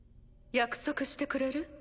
約束してくれる？